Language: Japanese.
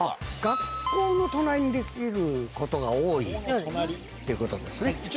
学校の隣にできることが多いっていうことですね。